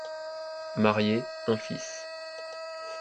Marié, un fils.